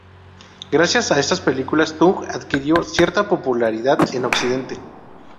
Gracias a estas películas Tung adquirió cierta popularidad en Occidente.